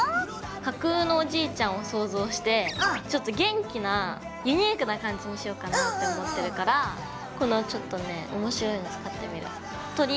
架空のおじいちゃんを想像してちょっと元気なユニークな感じにしようかなって思ってるからこのちょっとね面白いの使ってみる鳥。